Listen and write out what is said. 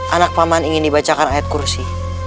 anak paman ingin dibacakan ayat kursi